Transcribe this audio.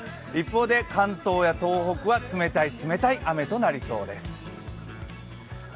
一方で関東や東北は冷たい冷たい雨となりそうです。